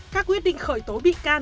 các quyết định khởi tố bị can